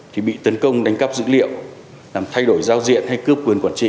thì bị tấn công đánh cắp dữ liệu làm thay đổi giao diện hay cướp quyền quản trị